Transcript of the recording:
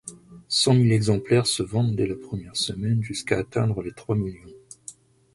Cent mille exemplaires se vendent dès la première semaine, jusqu'à atteindre les trois millions.